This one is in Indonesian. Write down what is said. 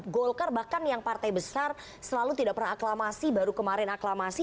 golkar bahkan yang partai besar selalu tidak pernah aklamasi baru kemarin aklamasi